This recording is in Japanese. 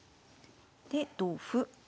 で同歩。